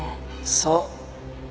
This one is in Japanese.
そう。